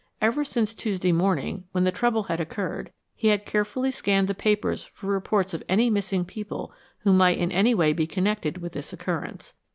Ever since Tuesday morning, when the trouble had occurred, he had carefully scanned the papers for reports of any missing people who might in any way be connected with this occurrence.